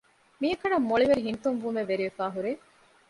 މިއަކަނަށް މޮޅިވެރި ހިނިތުންވުމެއް ވެރިވެފައި ހުރޭ